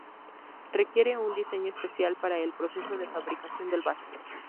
Requiere un diseño especial para el proceso de fabricación del vaso.